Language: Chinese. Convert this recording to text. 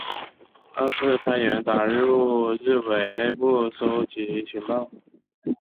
二是派员打入日伪内部搜集情报。